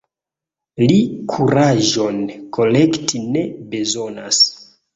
Li kuraĝon kolekti ne bezonas.